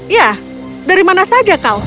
ya dari mana saja kau